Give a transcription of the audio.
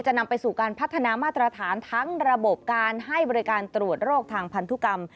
นำไปสู่การพัฒนามาตรฐานทั้งระบบการให้บริการตรวจโรคทางพันธุกรรม